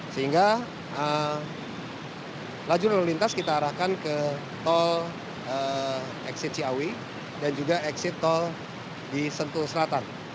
sehingga lajur lalu lintas kita arahkan ke tol exit ciawi dan juga exit tol di sentul selatan